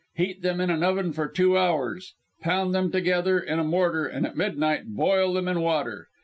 Heat them in an oven for two hours, pound them together, in a mortar, and at midnight boil them in water.